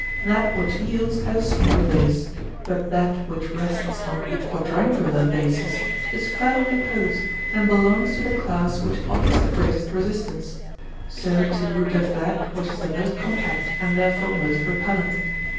That which yields has a small base; but that which rests on quadrangular bases is firmly posed and belongs to the class which offers the greatest resistance; so too does that which is the most compact and therefore most repellent.